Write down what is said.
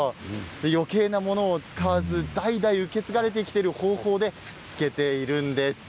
よけいなものを使わず代々受け継がれている方法で漬けているんです。